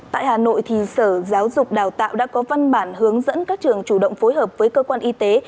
tại hà nội sở giáo dục đào tạo đã có văn bản hướng dẫn các trường chủ động phối hợp với cơ quan y tế